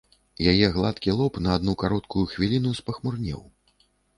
Яе гладкі лоб на адну кароткую хвіліну спахмурнеў.